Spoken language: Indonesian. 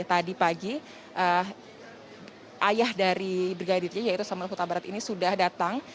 tadi pagi ayah dari brigadir j yaitu samuel huta barat ini sudah datang